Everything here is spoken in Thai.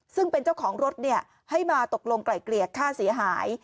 ซึ่งเป็นเจ้าของรถให้มาตกลงไกลเกลี่ยค่าเสียหาย